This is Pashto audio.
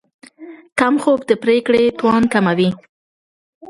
کم خوب د پرېکړې توان کموي.